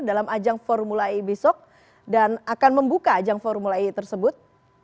dalam ajang formula e besok dan akan membuka ajang formula e tersebut